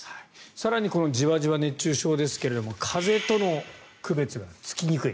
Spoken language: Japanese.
更にじわじわ熱中症ですが風邪との区別がつきにくい。